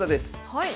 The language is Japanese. はい。